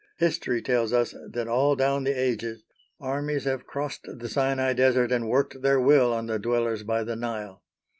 History tells us that all down the ages armies have crossed the Sinai Desert and worked their will on the dwellers by the Nile.